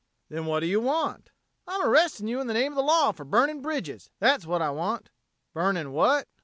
"Then what do you want?" "I'm arresting you in the name of the law for burning bridges. That's what I want." "Burning what?"